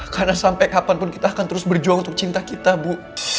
karena sampai kapan pun kita akan terus berjuang center kita bu